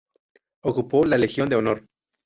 Ocupó la Legión de Honor.